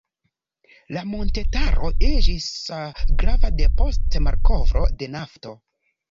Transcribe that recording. La montetaro iĝis grava depost malkovro de nafto.